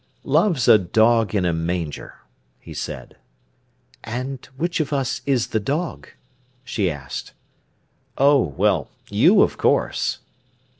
"Love's a dog in a manger," he said. "And which of us is the dog?" she asked. "Oh well, you, of course."